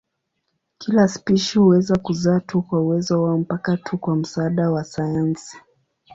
Kila spishi huweza kuzaa tu kwa uwezo wao mpaka tu kwa msaada wa sayansi.